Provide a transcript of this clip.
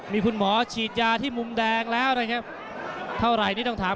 มีคุณหมอฉีดยาที่มุมแดงแล้วครับ